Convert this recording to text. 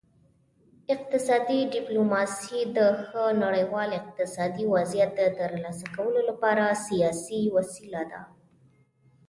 اقتصادي ډیپلوماسي د ښه نړیوال اقتصادي وضعیت د ترلاسه کولو لپاره سیاسي وسیله ده